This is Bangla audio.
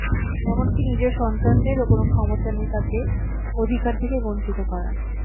এমনকি নিজের সন্তানদেরও কোনো ক্ষমতা নেই তাঁকে অধিকার থেকে বঞ্চিত করার।